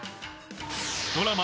ドラマ、